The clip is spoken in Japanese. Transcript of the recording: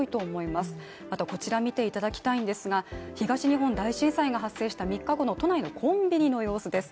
またこちら見ていただきたいんですが、東日本大震災が発生した３日後の都内のコンビニの様子です。